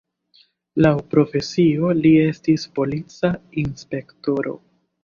Laŭ profesio li estis polica inspektoro.